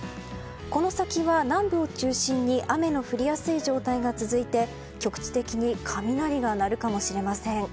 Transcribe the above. この先は南部を中心に雨の降りやすい状態が続いて局地的に雷が鳴るかもしれません。